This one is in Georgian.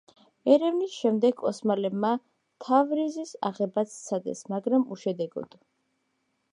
ერევნის შემდეგ ოსმალებმა თავრიზის აღებაც სცადეს, მაგრამ უშედეგოდ.